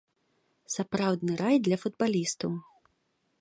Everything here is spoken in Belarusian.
Сапраўдны рай для футбалістаў.